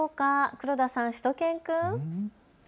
黒田さん、しゅと犬くん。